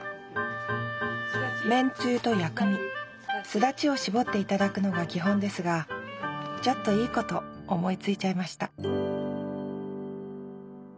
めんつゆと薬味すだちを搾って頂くのが基本ですがちょっといいこと思いついちゃいました